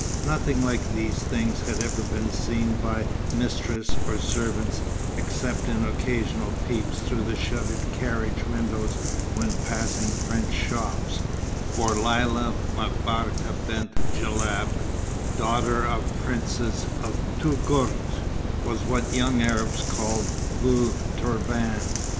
Nothing like these things had ever been seen by mistress or servants, except in occasional peeps through shuttered carriage windows when passing French shops: for Lella M'Barka Bent Djellab, daughter of Princes of Touggourt, was what young Arabs call "vieux turban."